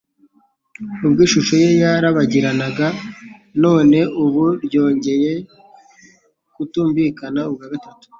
ubwo ishusho ye yarabagiranaga; none ubu ryongera kutumvikana ubwa gatatu,